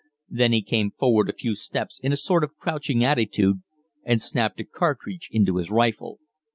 Then he came forward a few steps in a sort of crouching attitude and snapped a cartridge into his rifle.